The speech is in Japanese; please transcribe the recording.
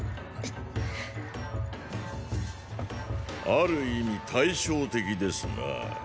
ある意味対照的ですな。